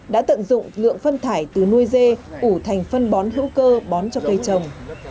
đã tận dụng lượng phân thải từ nuôi dê ủ thành phân bón hữu cơ bón cho cây trồng